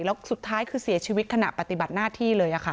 แล้วสุดท้ายคือเสียชีวิตขณะปฏิบัติหน้าที่เลย